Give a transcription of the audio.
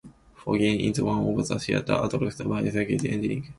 Forgery is one of the threats addressed by security engineering.